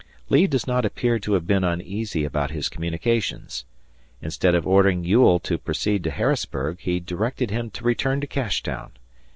Lee does not appear to have been uneasy about his communications. Instead of ordering Ewell to proceed to Harrisburg, he directed him to return to Cashtown.